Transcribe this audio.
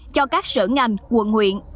cho các sở ngành quận huyện